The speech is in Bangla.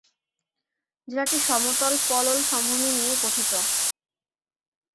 জেলাটি সমতল পলল সমভূমি নিয়ে গঠিত।